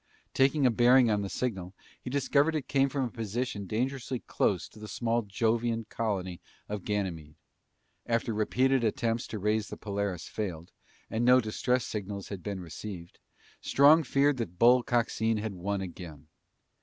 Taking a bearing on the signal, he discovered it came from a position dangerously close to the small Jovian colony of Ganymede. After repeated attempts to raise the Polaris failed, and no distress signals had been received, Strong feared that Bull Coxine had won again.